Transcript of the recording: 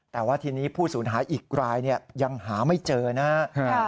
แต่ว่าทีนี้ผู้สูญหายอีกรายยังหาไม่เจอนะครับ